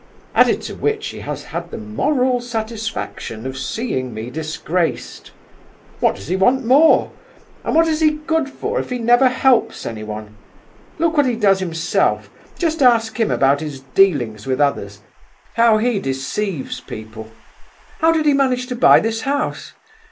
Added to which he has had the moral satisfaction of seeing me disgraced. What does he want more? and what is he good for if he never helps anyone? Look what he does himself! just ask him about his dealings with others, how he deceives people! How did he manage to buy this house?